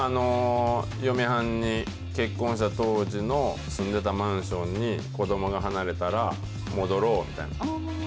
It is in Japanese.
嫁はんに結婚した当時の住んでたマンションに、子どもが離れたら戻ろうみたいな。